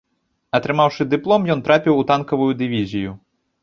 Атрымаўшы дыплом, ён трапіў у танкавую дывізію.